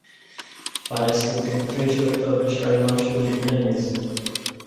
Parece que o tempo fechou e talvez caia chuva de granizo